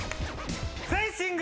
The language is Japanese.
フェンシング。